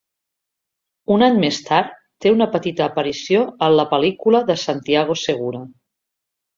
Un any més tard té una petita aparició en la pel·lícula de Santiago Segura.